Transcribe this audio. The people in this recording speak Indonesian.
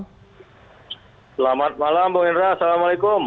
selamat malam bung indra assalamualaikum